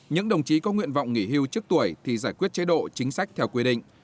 những đồng chí có nguyện vọng nghỉ hưu trước tuổi thì giải quyết chế độ chính sách theo quy định